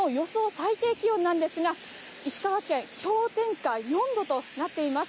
最低気温なんですが、石川県、氷点下４度となっています。